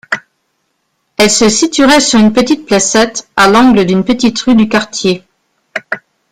Elle se situerait sur une petite placette, à l'angle d'une petite rue du quartier.